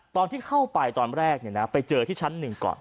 ตอนที่เข้าไปตอนแรกไปเจอที่ชั้นหนึ่งก่อน